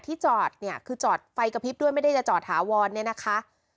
ที่จอดเนี่ยคือจอดไฟกระพริบด้วยไม่ได้จะจอดถาวรเนี่ยนะคะ